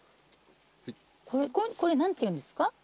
これ何ていうんですか？